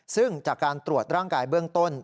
ซึ่งจากการตรวจร่างกายเบื้องต้น